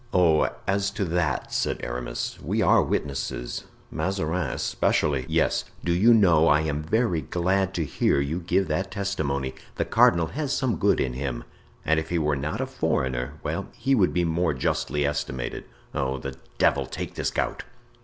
"Oh! as to that," said Aramis, "we are witnesses. Mazarin especially——" "Yes, do you know, I am very glad to hear you give that testimony; the cardinal has some good in him, and if he were not a foreigner—well, he would be more justly estimated. Oh! the devil take this gout!"